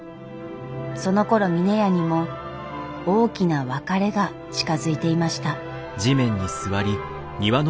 そのころ峰屋にも大きな別れが近づいていました。